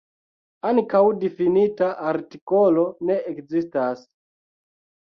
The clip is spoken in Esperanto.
Ankaŭ difinita artikolo ne ekzistas.